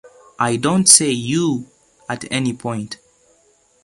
I don't say 'you' at any point.